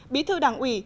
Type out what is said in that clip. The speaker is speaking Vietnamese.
bí thư đảng ủy